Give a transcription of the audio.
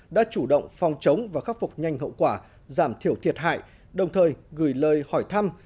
đã chủ động phòng chống và khắc phục nhanh hậu quả giảm thiểu thiệt hại đồng thời gửi lời hỏi thăm